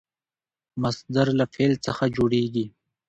مصدر له فعل څخه جوړیږي.